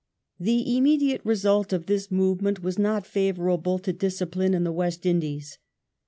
The immediate result of this movement was not favourable to discipline in the West Indies.